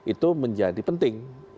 itu menjadi penting